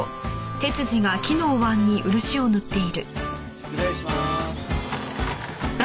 失礼します。